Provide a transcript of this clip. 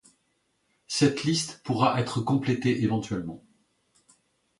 Cette liste pourra être complétée éventuellement.